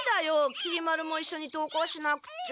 きり丸もいっしょに登校しなくっちゃ！